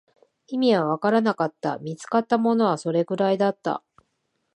意味はわからなかった、見つかったものはそれくらいだった